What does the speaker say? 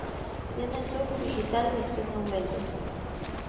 Tiene zoom digital de tres aumentos.